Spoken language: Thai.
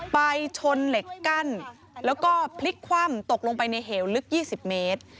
ไปชนเหล็กกั้นแล้วก็พลิกคว่ำตกลงไปในเหวลึก๒๐เมตร